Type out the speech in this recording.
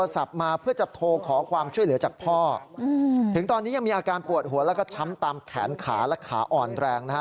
ถึงตอนนี้ยังมีอาการปวดหัวแล้วก็ช้ำตามแขนขาและขาอ่อนแรงนะฮะ